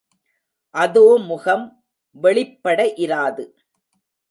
அதோமுகம் வெளிப்பட இராது.